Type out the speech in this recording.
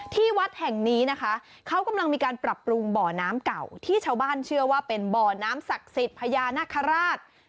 ที่วัดแห่งนี้นะคะเขากำลังมีการปรับปรุงบ่อน้ำเก่าที่ชาวบ้านเชื่อว่าเป็นบ่อน้ำศักดิ์สิทธิ์พญานาคาราช